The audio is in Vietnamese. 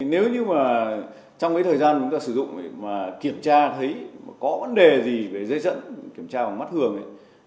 nếu như mà trong cái thời gian chúng ta sử dụng mà kiểm tra thấy mà có vấn đề gì về dây dẫn kiểm tra bằng mắt thường ấy